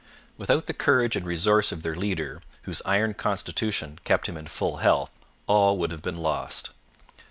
Without the courage and resource of their leader, whose iron constitution kept him in full health, all would have been lost.